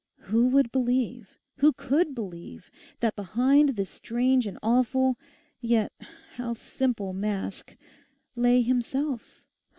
Who would believe, who could believe, that behind this strange and awful, yet how simple mask, lay himself?